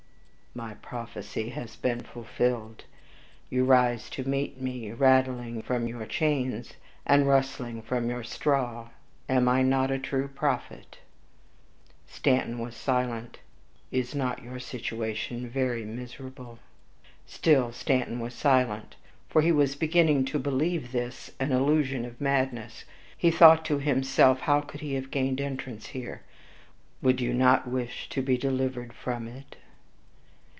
"My prophecy has been fulfilled; you rise to meet me rattling from your chains, and rustling from your straw am I not a true prophet?" Stanton was silent. "Is not your situation very miserable?" Still Stanton was silent; for he was beginning to believe this an illusion of madness. He thought to himself, "How could he have gained entrance here?" "Would you not wish to be delivered from it?"